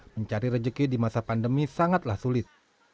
mencari rejeki di masa pandemi sangatlah sulit